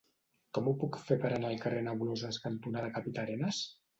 Com ho puc fer per anar al carrer Nebuloses cantonada Capità Arenas?